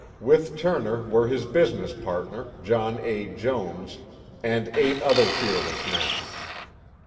With Turner were his business partner, John A. Jones and eight other fearless men.